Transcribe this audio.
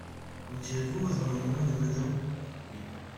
Retirez-vous votre amendement, madame Le Dain ? Oui.